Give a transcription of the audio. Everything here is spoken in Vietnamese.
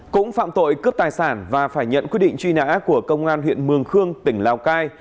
cũng phạm tội cướp tài sản và phải nhận quyết định truy nã của công an huyện mường khương tỉnh lào cai